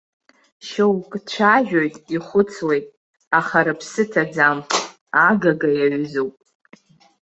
Шьоукы цәажәоит, ихәыцуеит, аха рыԥсы ҭаӡам, агага иаҩызоуп.